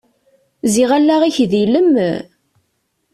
Ziɣ allaɣ-ik d ilem!